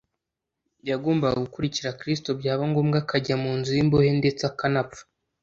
Yagombaga gukurikira Kristo byaba ngombwa akajya mu nzu y’imbohe ndetse akanapfa.